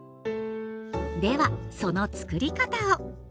ではそのつくり方を。